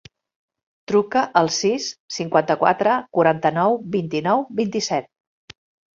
Truca al sis, cinquanta-quatre, quaranta-nou, vint-i-nou, vint-i-set.